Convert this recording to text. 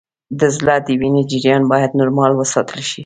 د زړه د وینې جریان باید نورمال وساتل شي